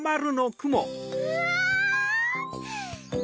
うわ！